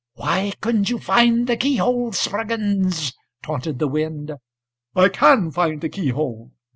âWhy couldnât you find the keyhole, Spruggins?âTaunted the wind.âI can find the keyhole.